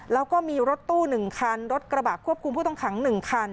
แล้วก็มีรถตู้๑คันรถกระบะควบคุมผู้ต้องขัง๑คัน